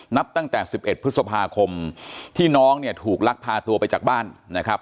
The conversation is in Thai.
นับตั้งแต่๑๑พฤษภาคมที่น้องเนี่ยถูกลักพาตัวไปจากบ้านนะครับ